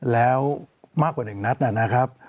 แล้วมากกว่า๑นัดนะครับ